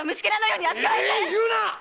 言うな！